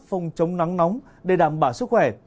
phòng chống nắng nóng để đảm bảo sức khỏe